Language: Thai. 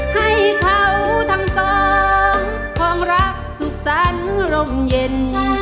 ให้เข้าทั้งสองของรักสุดสันลมเย็น